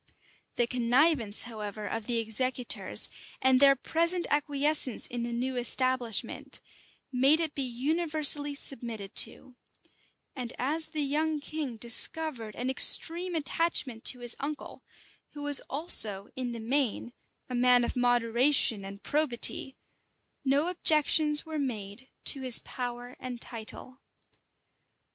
The connivance, however, of the executors, and their present acquiescence in the new establishment, made it be universally submitted to; and as the young king discovered an extreme attachment to his uncle, who was also, in the main, a man of moderation and probity, no objections were made to his power and title.